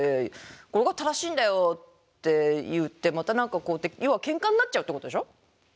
「これが正しいんだよ」って言ってまた何かこうやって要はケンカになっちゃうってことでしょ？